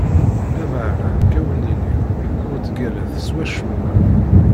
Lameɛna, nekk ad wen-iniɣ: ur ttgallat s wacemma.